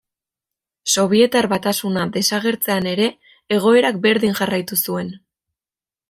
Sobietar Batasuna desagertzean ere, egoerak berdin jarraitu zuen.